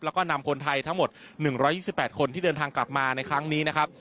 แล้วก็นำคนไทยทั้งหมด๑๒๘คนที่เดินทางกลับมาในครั้งนี้นะครับ